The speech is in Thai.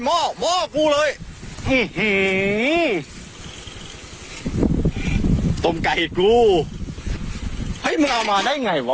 หม้อหม้อกูเลยอื้อหือต้มไก่กูเฮ้ยมึงเอามาได้ไงวะ